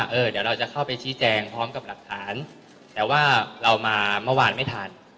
เดี๋ยวเราจะเข้าไปชี้แจงพร้อมกับหลักฐานแต่ว่าเรามาเมื่อวานไม่ทัน